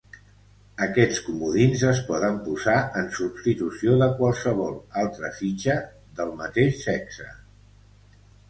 Aquests comodins es poden posar en substitució de qualsevol altra fitxa del mateix sexe.